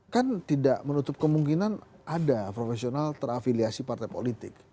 kan tidak menutup kemungkinan ada profesional terafiliasi partai politik